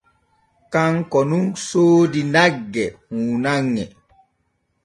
Kanko nun soodi nagge huunanŋe.